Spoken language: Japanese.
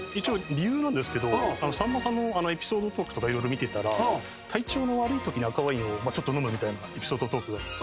理由なんですけどさんまさんのエピソードトークとか見てたら体調の悪いときに赤ワインをちょっと飲むみたいなエピソードトークが。